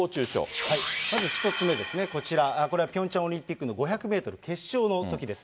まず１つ目ですね、こちら、ピョンチャンオリンピックの５００メートル決勝のときです。